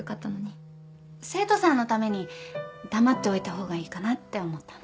生徒さんのために黙っておいた方がいいかなって思ったの